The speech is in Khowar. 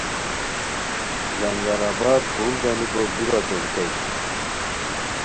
لنگر آباد پھور گانیکو دُورہ توریتائے